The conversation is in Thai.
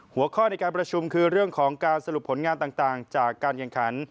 หัวข้อในการประชุมคือเรื่องของการสรุปผลงานต่างจากการแข่งขัน